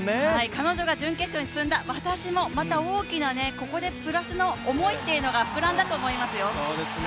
彼女が準決勝に進んだ、私もまた大きな、ここでプラスの思いというのが膨らんだと思いますよ。